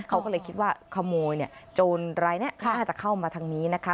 เขาก็เลยคิดว่าขโมยเนี่ยโจรรายนี้น่าจะเข้ามาทางนี้นะคะ